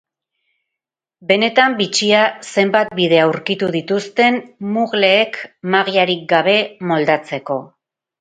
Benetan bitxia zenbat bide aurkitu dituzten muggleek magiarik gabe moldatzeko!